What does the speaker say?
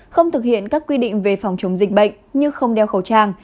không thực hiện các quy định về phòng chống dịch bệnh như không đeo khẩu trang